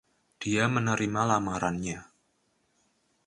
Dia menerima lamarannya.